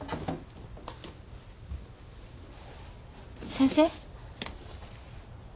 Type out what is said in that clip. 先生？